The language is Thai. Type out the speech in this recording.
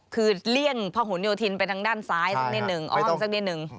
คือเลี่ยงพระหุนโยธินไปทางด้านซ้ายสักนิดหนึ่งอ้อมสักนิดนึง